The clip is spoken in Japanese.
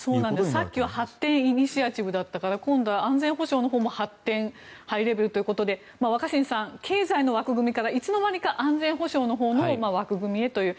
さっきは発展イニシアチブでしたから今度は安全保障の部分も発展ハイレベルということで若新さん、経済の枠組みからいつの間にか安全保障の枠組みへという。